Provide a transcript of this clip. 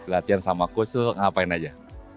latihan sama kusu ngapain aja